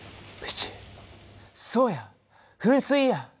そうやふん水や！